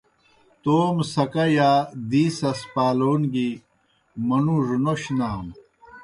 توموْ سکا یا دی سَس پالون گیْ منُوڙوْ نوش نانوْ۔